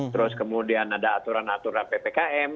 terus kemudian ada aturan aturan ppkm